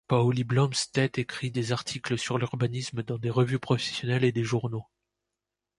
Pauli Blomstedt écrit des articles sur l'urbanisme dans des revues professionnelles et des journaux.